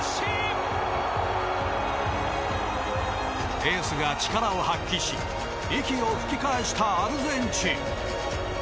エースが力を発揮し息を吹き返したアルゼンチン。